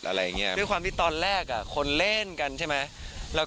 ก็เพราะว่าเราได้เข้าฉากด้วยกันตลอดได้อยู่ด้วยกันตลอด